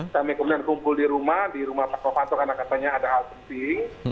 kami kemudian kumpul di rumah di rumah pak novanto karena katanya ada hal penting